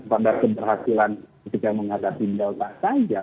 pada keberhasilan ketika menghadapi delta saja